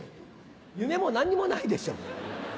夢も何にもないでしょ。